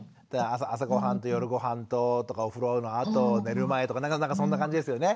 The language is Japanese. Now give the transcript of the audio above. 朝ごはんと夜ごはんととかお風呂のあと寝る前とかそんな感じですよね？